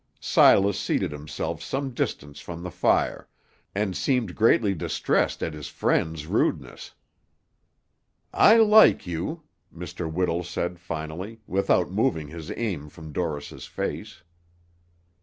Silas seated himself some distance from the fire, and seemed greatly distressed at his friend's rudeness. "I like you," Mr. Whittle said finally, without moving his aim from Dorris's face.